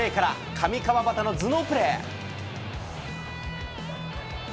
上川畑の頭脳プレー。